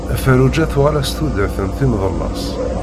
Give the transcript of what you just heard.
Ferruǧa tuɣal-as tudert d timḍellas.